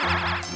udah saya duluan